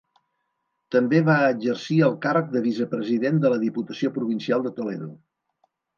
També va exercir el càrrec de vicepresident de la Diputació Provincial de Toledo.